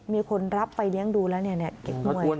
มีคนรับไปเลี้ยงดูแล้วเก็บด้วย